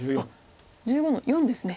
１５の四ですね。